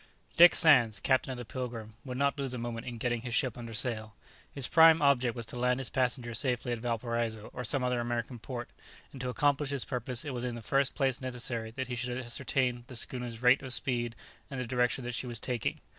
Dick Sands, captain of the "Pilgrim," would not lose a moment in getting his ship under sail. His prime object was to land his passengers safely at Valparaiso or some other American port, and to accomplish his purpose it was in the first place necessary that he should ascertain the schooner's rate of speed and the direction that she was taking.